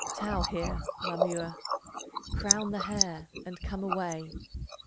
Taü here, Mamua, Crown the hair, and come away!